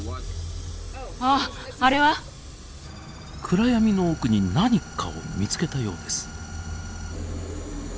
暗闇の奥に何かを見つけたようです。